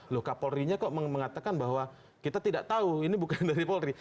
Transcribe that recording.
loh kak polri nya kok mengatakan bahwa kita tidak tahu ini bukan dari polri